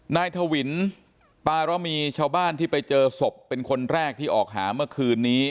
ถวินปารมีชาวบ้านที่ไปเจอศพเป็นคนแรกที่ออกหาเมื่อคืนนี้